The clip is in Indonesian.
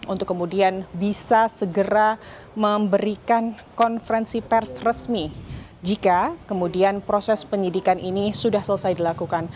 untuk kemudian bisa segera memberikan konferensi pers resmi jika kemudian proses penyidikan ini sudah selesai dilakukan